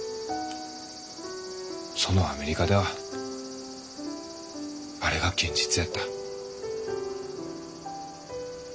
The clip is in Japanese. そのアメリカではあれが現実やった。